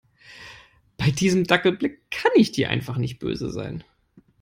Bei diesem Dackelblick kann ich dir einfach nicht böse sein.